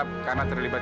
pertama kali pak